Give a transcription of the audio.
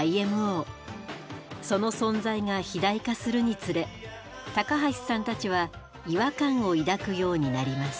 その存在が肥大化するにつれ高橋さんたちは違和感を抱くようになります。